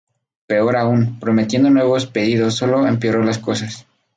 Peor aún, prometiendo nuevos pedidos sólo empeoró las cosas.